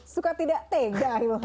suka tidak tegak